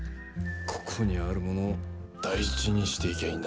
ここにあるものを大事にしていきゃいいんだ。